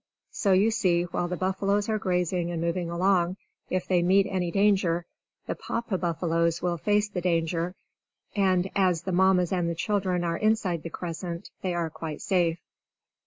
So you see, while the buffaloes are grazing and moving along, if they meet any danger, the Papa buffaloes will face the danger. And as the Mammas and the children are inside the crescent, they are quite safe.